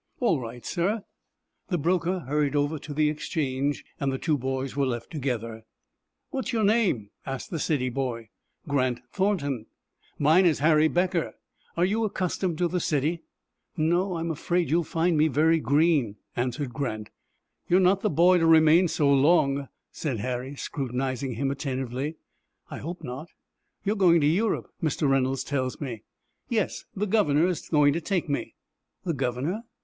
"All right, sir." The broker hurried over to the Exchange, and the two boys were left together. "What is your name?" asked the city boy. "Grant Thornton." "Mine is Harry Becker. Are you accustomed to the city?" "No, I am afraid you will find me very green," answered Grant. "You are not the boy to remain so long," said Harry, scrutinizing him attentively. "I hope not. You are going to Europe, Mr. Reynolds tells me." "Yes, the governor is going to take me." "The governor?"